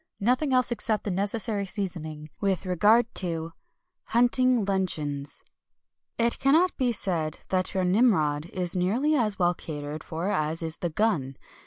Nothing else except the necessary seasoning. With regard to Hunting Luncheons it cannot be said that your Nimrod is nearly as well catered for as is the "Gun."